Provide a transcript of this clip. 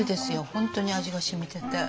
本当に味がしみてて。